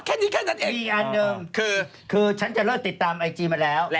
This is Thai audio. แค่นี้เองเคยคีย์คืออื่นผมตามไอจีมาแล้ว